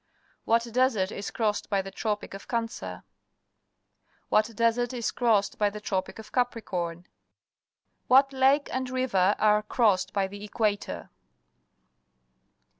What desert is crossed by the Tropic of Can cer? What desert is crossed by the Tropic of Capricorn? What lake and river are crossed by the equator?